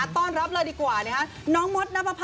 ต้อนรับเราดีกว่าน้องมดนับพัดค่ะ